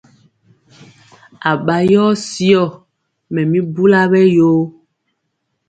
Aɓa yɔ syɔ mɛ mi bula ɓɛ yoo.